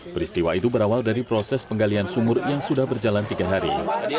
peristiwa itu berawal dari proses penggalian sumur yang sudah berjalan tiga hari